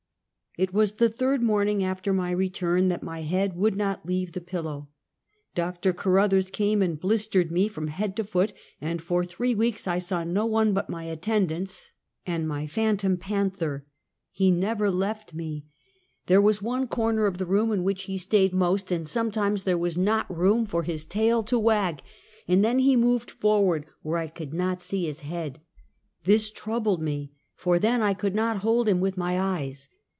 It was the third morning after my return, that my head would not leave the pillow. Dr. Carothers came and blistered me from head to feet, and for three weeks I saw no one but my attendants and my phantom 88 Half a Century. panther. He never left me. There was one corner of the room in which he stayed most, and sometimes there was not room for his tail to wag, and then he moved forward where I could not see his head. This troubled me, for then I could not hold him with my eyes.